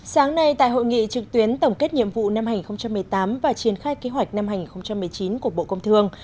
sáng nay tại hội nghị trực tuyến tổng kết nhiệm vụ năm hai nghìn một mươi tám và triển khai kế hoạch năm hai nghìn một mươi chín của bộ công thương